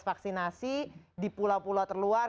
vaksinasi di pulau pulau terluar